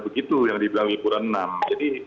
begitu yang dibilang liburan enam jadi